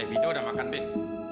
evita udah makan vin